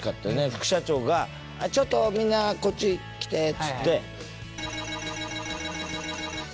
副社長が「ちょっとみんなこっち来て」っつって。って言ってくれたの。